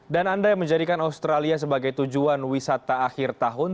dan anda yang menjadikan australia sebagai tujuan wisata akhir tahun